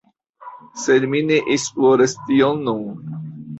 Sed mi ne esploras tion nun